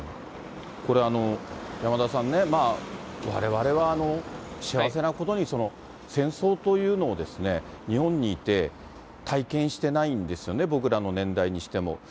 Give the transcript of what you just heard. これ、山田さんね、われわれは幸せなことに、戦争というのを、日本にいて体験してないんですよね、僕らの年代にしても。